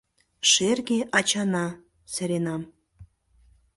«Шерге ачана! — серенам.